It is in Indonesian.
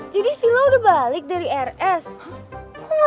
jadi silah gak ngantri gue